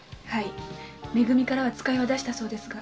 「め組」からは使いを出したそうですが。